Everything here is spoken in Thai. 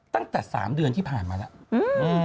ตั้งแต่๓เดือนที่ผ่านมาแล้ว